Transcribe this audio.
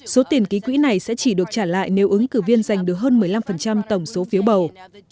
số tiền ký quỹ này sẽ chỉ được trả lại nếu ứng cử viên giành được hơn một mươi năm tổng số phiếu bầu